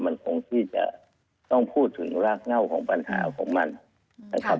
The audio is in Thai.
มันคงที่จะต้องพูดถึงรากเง่าของปัญหาของมันนะครับ